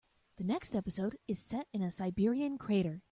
The next episode is set in a Siberian crater.